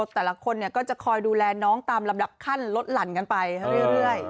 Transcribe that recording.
แต่ละคนก็จะคอยดูแลน้องตามลำดับขั้นลดหลั่นกันไปเรื่อย